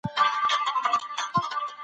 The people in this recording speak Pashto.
سختي په مينه له منځه ځي.